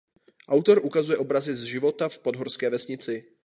Autor ukazuje obrazy z života v podhorské vesnici.